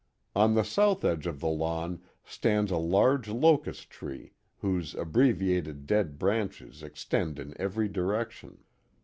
On the south edge of the lawn stands a large locust tree whose abbreviated dead branches extend in every direction.